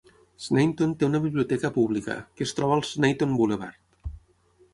Sneinton té una biblioteca pública, que es troba al Sneinton Boulevard.